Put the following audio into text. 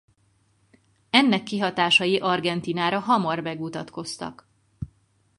Ennek kihatásai Argentínára hamar megmutatkoztak.